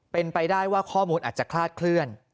เป็นไปได้ว่าข้อมูลอาจจะคลาดเคลื่อน